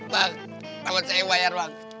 bang sama cewek ya bang